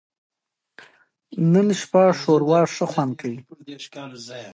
د الکترونونو شمیر په هر عنصر کې توپیر لري او ثابت نه دی